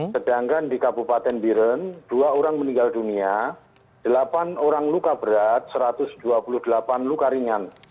sedangkan di kabupaten biren dua orang meninggal dunia delapan orang luka berat satu ratus dua puluh delapan luka ringan